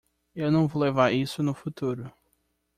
Eu não vou levar isso no futuro.